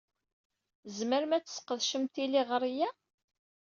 Tzemrem ad tesqedcem tiliɣri-a.